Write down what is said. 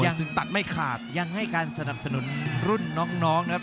ถึงตัดไม่ขาดยังให้การสนับสนุนรุ่นน้องนะครับ